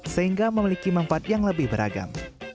sehingga memiliki manfaat yang lebih beragam